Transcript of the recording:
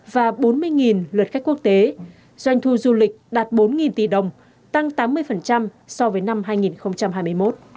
và bốn mươi lượt khách quốc tế doanh thu du lịch đạt bốn tỷ đồng tăng tám mươi so với năm hai nghìn hai mươi một